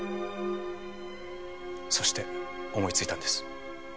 そして思いついたんです。